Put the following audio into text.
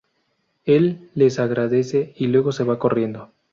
Él les agradece y luego sale corriendo.